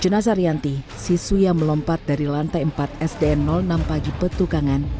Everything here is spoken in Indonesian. jenazah rianti siswi yang melompat dari lantai empat sdn enam pagi petukangan